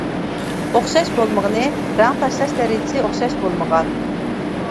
ئوخشاش بولمىغىنى «رەڭ تاشلاش» دەرىجىسى ئوخشاش بولمىغان.